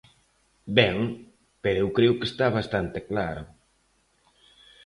Ben, pero eu creo que está bastante claro.